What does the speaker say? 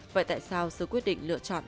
vậy tại sao sư quyết định lựa chọn